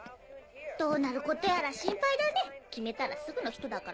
どうなることやら心配だね決めたらすぐの人だから。